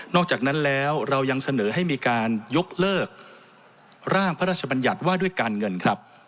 อกจากนั้นแล้วเรายังเสนอให้มีการยกเลิกร่างพระราชบัญญัติว่าด้วยการเงินครับ